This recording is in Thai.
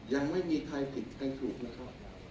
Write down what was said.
ยังไม่มีใครผิดใครถูกนะครับ